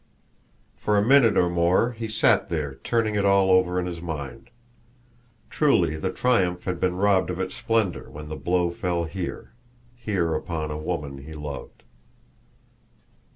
For a minute or more he sat there turning it all over in his mind. Truly the triumph had been robbed of its splendor when the blow fell here here upon a woman he loved.